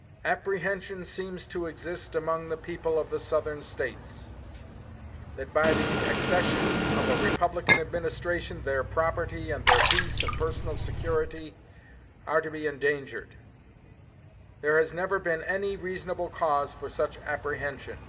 ... Apprehension seems to exist among the people of the Southern States, that by the accession of a Republican Administration their property and their peace and personal security are to be endangered. There has never been any reasonable cause for such apprehension.